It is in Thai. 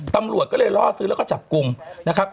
ตำรวจก็เลยล่อซื้อแล้วก็จับกลุ่มนะครับ